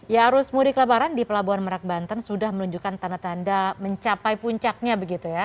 ya arus mudik lebaran di pelabuhan merak banten sudah menunjukkan tanda tanda mencapai puncaknya begitu ya